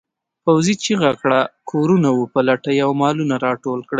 پوځي چیغه کړه کورونه وپلټئ او مالونه راټول کړئ.